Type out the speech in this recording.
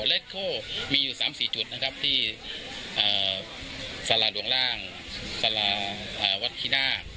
และเขามีอยู่๓๔จุดนะครับที่สลาดวงร่างสลาดวัดคินา